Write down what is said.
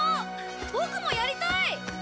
ボクもやりたい！